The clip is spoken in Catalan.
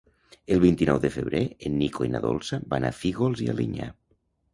El vint-i-nou de febrer en Nico i na Dolça van a Fígols i Alinyà.